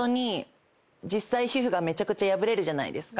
実際皮膚がめちゃくちゃ破れるじゃないですか。